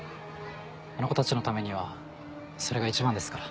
あの子たちのためにはそれが一番ですから。